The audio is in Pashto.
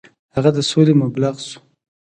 هغه د سولې مبلغ شو.